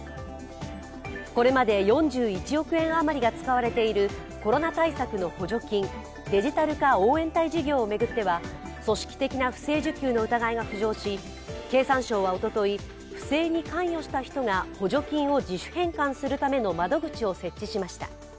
これまで４１億円余りが使われているコロナ対策の補助金、デジタル化応援隊事業を巡っては組織的な不正受給の疑いが浮上し経産省はおととい、不正に関与した人が補助金を自主返還するための窓口を設置しました。